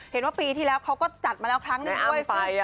เห็นว่าปีที่แล้วเขาก็จัดมาแล้วครั้งหนึ่งด้วย